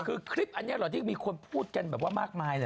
คือคลิปอันนี้เหรอที่มีคนพูดกันแบบว่ามากมายเลย